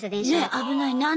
危ない！